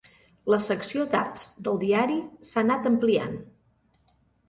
La secció d'arts del diari s'ha anat ampliant.